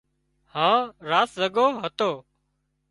هانَ رات زڳو هتو